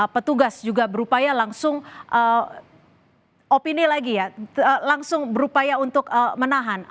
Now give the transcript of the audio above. petugas juga berupaya langsung opini lagi ya langsung berupaya untuk menahan